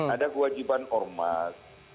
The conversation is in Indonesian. ada kewajiban ormas